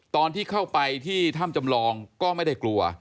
ตอนที่เข้าไปที่ถ้ำจำลองก็ไม่ได้กลัว